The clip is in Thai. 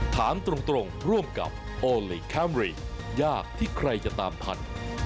ถามตรงร่วมกับโอลี่คัมรี่ยากที่ใครจะตามทัน